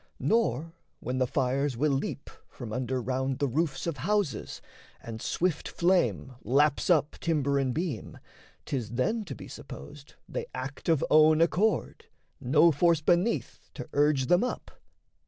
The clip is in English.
Nor, when the fires will leap from under round The roofs of houses, and swift flame laps up Timber and beam, 'tis then to be supposed They act of own accord, no force beneath To urge them up.